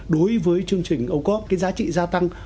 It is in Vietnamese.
đối với chương trình ô cốp cái giá trị gia tăng